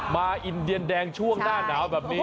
อินเดียนแดงช่วงหน้าหนาวแบบนี้